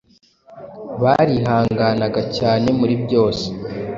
barihangana cyane muri byose